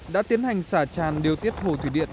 đã tiến hành xả tràn điều tiết hồ thủy điện